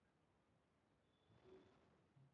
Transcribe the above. Bike start কর।